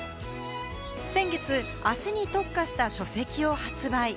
先月、脚に特化した書籍を発売。